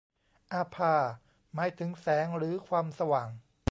อาภา หมายถึงแสงหรือความสว่าง